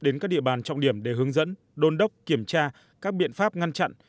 đến các địa bàn trọng điểm để hướng dẫn đôn đốc kiểm tra các biện pháp ngăn chặn